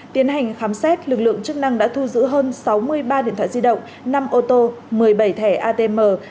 tiến hành khám xét lực lượng chức năng đã thu giữ hơn sáu mươi ba điện thoại di động năm ô tô một mươi bảy thẻ atm